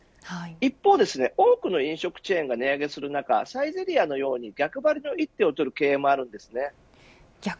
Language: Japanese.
一方、多くの飲食チェーンが値上げする中サイゼリヤのように逆張りの一手を取る経営もあります。